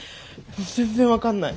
全然分かんない。